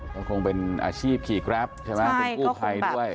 ก็คงเป็นอาชีพขี่กราฟต์ใช่ไหมใช่ก็คงแบบเป็นกู้ภัยด้วย